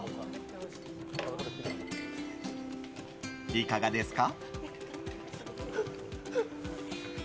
いかがですか？